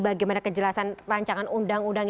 bagaimana kejelasan rancangan undang undang